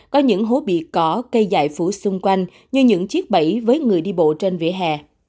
có những hố bị cỏ cây dài phủ xung quanh như những chiếc bẫy với người đi bộ trên vỉa hè